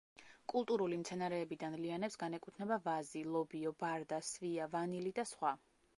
კულტურული მცენარეებიდან ლიანებს განეკუთვნება ვაზი, ლობიო, ბარდა, სვია, ვანილი და სხვა.